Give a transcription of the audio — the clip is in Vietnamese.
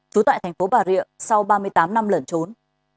trốn tại tp bà rịa sau ba mươi tám năm lẩn trốn